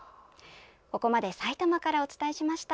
ここまでさいたまからお伝えしました。